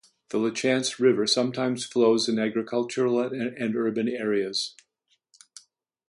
The Lachance River sometimes flows in agricultural and urban areas.